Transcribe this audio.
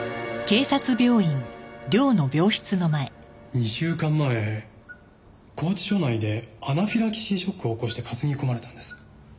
２週間前拘置所内でアナフィラキシーショックを起こして担ぎ込まれたんです。